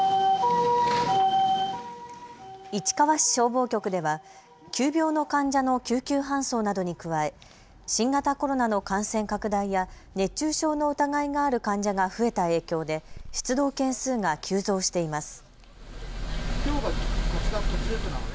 市川市消防局では急病の患者の救急搬送などに加え新型コロナの感染拡大や熱中症の疑いがある患者が増えた影響で出動件数が急増しています。